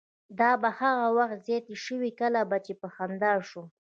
دا به هغه وخت زیاتې شوې کله به چې په خندا شو.